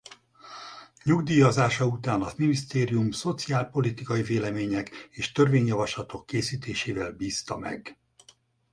Nyugdíjazása után a minisztérium szociálpolitikai vélemények és törvényjavaslatok készítésével bízta meg.